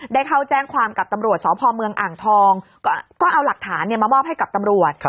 ได้เข้าแจ้งความกับตำรวจสพเมืองอ่างทองก็เอาหลักฐานมามอบให้กับตำรวจ